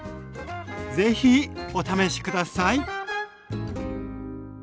是非お試し下さい。